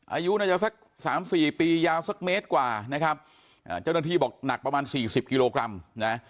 อายุน่าจะสักสามสี่ปียาวสักเมตรกว่านะครับเจ้าหน้าที่บอกหนักประมาณสี่สิบกิโลกรัมนะ